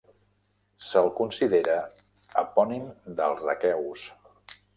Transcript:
Se'l considera epònim dels aqueus.